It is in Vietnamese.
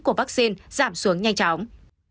của vaccine giảm xuống nhanh chóng